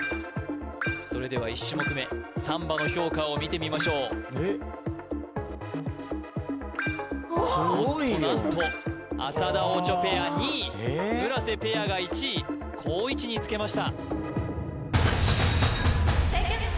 それでは１種目めサンバの評価を見てみましょうおっと何と浅田・オチョペア２位村瀬ペアが１位好位置につけました